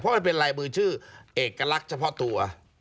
เพราะมันเป็นลายมือชื่อเอกลักษณ์เฉพาะตัว